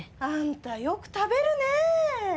あんたよく食べるね。